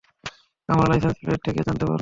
আমরা licence plate থেকে জানতে পারব।